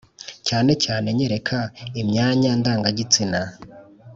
cyane cyane nyereka imyanya ndanga gitsina